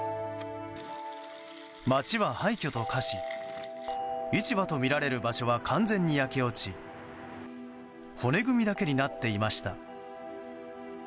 街は廃墟と化し市場とみられる場所は完全に焼け落ち骨組みだけになっていました。